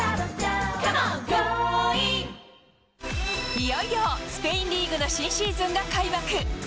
いよいよスペインリーグの新シーズンが開幕。